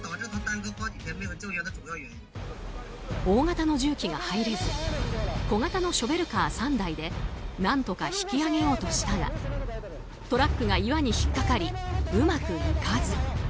大型の重機が入れず小型のショベルカー３台で何とか引き上げようとしたがトラックが岩に引っ掛かりうまくいかず。